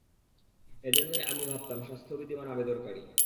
এজন্যই আমি ভাবতাম স্বাস্থ্যবিধি মানা বেদরকারী।